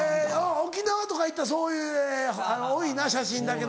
沖縄とか行ったらそういう多いな写真だけの。